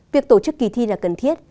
việc tổ chức kỳ thi là cần thiết